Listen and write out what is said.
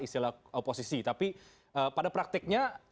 istilah oposisi tapi pada praktiknya